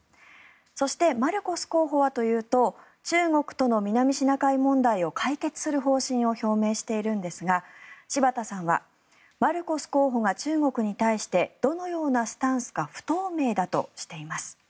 そしてマルコス候補はというと中国との南シナ海問題を解決する方針を表明しているんですが柴田さんはマルコス候補が中国に対してどのようなスタンスか不透明だとしています。